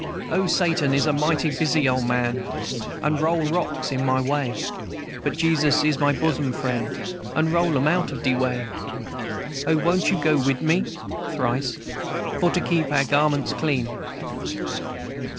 "O Satan is a mighty busy ole man, And roll rocks in my way; But Jesus is my bosom friend, And roll 'em out of de way. O, won't you go wid me? (Thrice.) For to keep our garments clean.